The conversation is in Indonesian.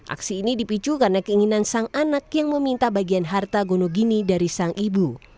aksi ini dipicu karena keinginan sang anak yang meminta bagian harta gonogini dari sang ibu